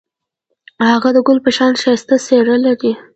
هغه د ګل په شان ښایسته څېره لري.